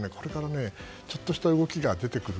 ちょっとした動きが出てくる。